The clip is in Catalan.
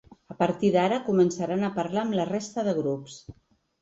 A partir d’ara començaran a parlar amb la resta de grups.